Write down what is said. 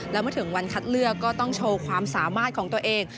และเมื่อถึงวันคัดเลือกก็ต้องโชว์ความสามารถของตัวเอง